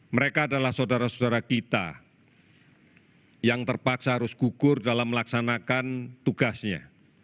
mereka adalah saudara saudara kita yang terpaksa harus gugur dalam melaksanakan tugasnya